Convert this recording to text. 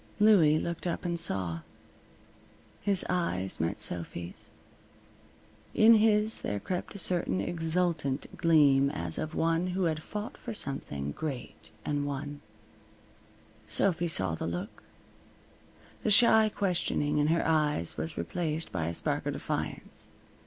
Louie looked up and saw. His eyes met Sophy's. In his there crept a certain exultant gleam, as of one who had fought for something great and won. Sophy saw the look. The shy questioning in her eyes was replaced by a spark of defiance.